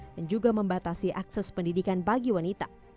dan juga membatasi akses pendidikan bagi wanita